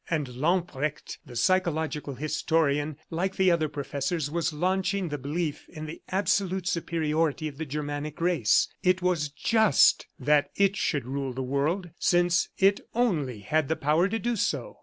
And Lamprecht, the psychological historian, like the other professors, was launching the belief in the absolute superiority of the Germanic race. It was just that it should rule the world, since it only had the power to do so.